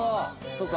そうか。